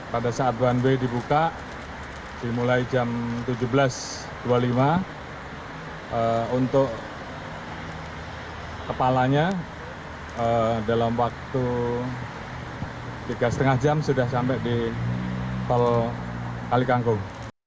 pada saat one way dibuka dimulai jam tujuh belas dua puluh lima untuk kepalanya dalam waktu tiga lima jam sudah sampai di tol kalikangkung